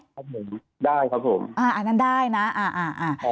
ครับผมได้ครับผมอ่าอันนั้นได้นะอ่าอ่าอ่า